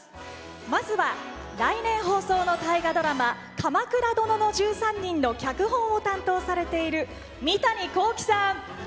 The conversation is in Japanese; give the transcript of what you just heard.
まずは、来年放送の大河ドラマ「鎌倉殿の１３人」の脚本を担当されている三谷幸喜さん。